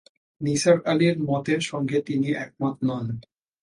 নিসার আলির মতের সঙ্গে তিনি একমত নন।